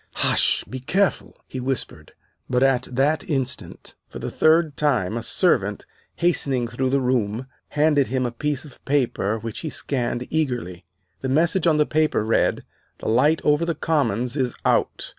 "Hush! be careful!" he whispered. But at that instant, for the third time, a servant, hastening through the room, handed him a piece of paper which he scanned eagerly. The message on the paper read, "The light over the Commons is out.